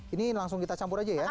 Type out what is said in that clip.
ini langsung kita campur aja ya